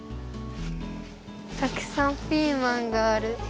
たくさんピーマンがある。